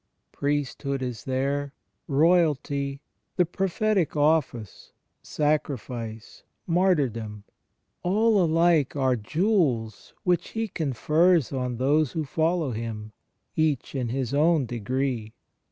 Priesthood is there. Royalty, the Prophetic Office, Sacrifice, Martyr dom — all alike are jewels which He confers on those who follow Him, each in His own degree.